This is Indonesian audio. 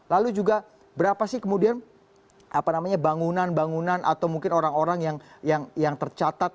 lalu juga berapa sih kemudian bangunan bangunan atau mungkin orang orang yang tercatat